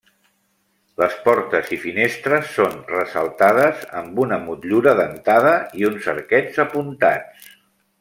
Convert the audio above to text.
Les portes i finestres són ressaltades amb una motllura dentada i uns arquets apuntats.